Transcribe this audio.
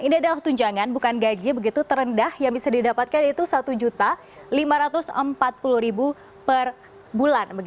ini adalah tunjangan bukan gaji begitu terendah yang bisa didapatkan yaitu rp satu lima ratus empat puluh per bulan